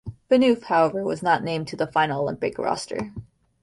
Phaneuf, however, was not named to the final Olympic roster.